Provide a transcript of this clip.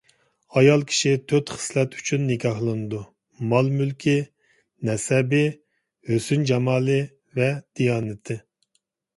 ئايال كىشى تۆت خىسلەت ئۈچۈن نىكاھلىنىدۇ: مال-مۈلكى، نەسەبى، ھۆسن-جامالى ۋە دىيانىتى.